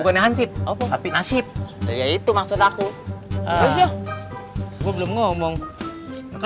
sampai jumpa di video selanjutnya